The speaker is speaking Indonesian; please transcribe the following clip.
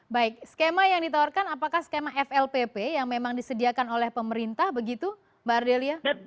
baik skema yang ditawarkan apakah skema flpp yang memang disediakan oleh pemerintah begitu mbak ardelia